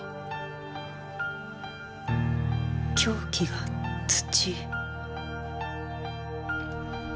凶器が土。